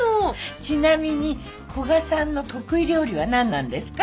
ちなみに古賀さんの得意料理は何なんですか？